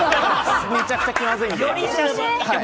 めちゃくちゃ気まずいので。